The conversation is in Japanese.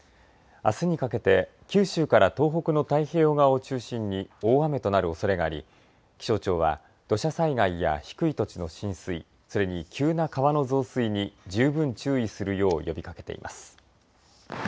あすにかけて九州から東北の太平洋側を中心に大雨となるおそれがあり気象庁は土砂災害や低い土地の浸水それに急な川の増水に十分注意するよう呼びかけています。